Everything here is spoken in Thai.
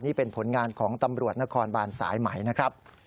นี่เป็นผลงานของตำรวจนครบานสายไหมนะครับ